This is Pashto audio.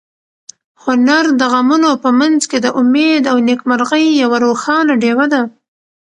هنر د غمونو په منځ کې د امید او نېکمرغۍ یوه روښانه ډېوه ده.